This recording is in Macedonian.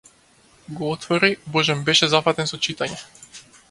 Го отвори, божем беше зафатен со читање.